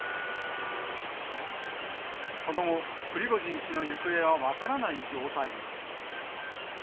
その後、プリゴジン氏の行方は分からない状態に。